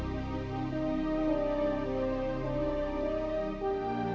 zalanda dimampuni pori numa